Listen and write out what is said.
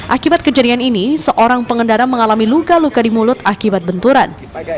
akibat kejadian ini seorang pengendara mengalami luka luka di mulut akibat benturan